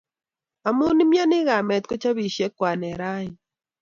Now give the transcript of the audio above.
amu imiani kamet ko chapishe kwanit raini